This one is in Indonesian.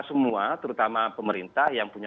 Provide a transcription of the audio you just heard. semua terutama pemerintah yang punya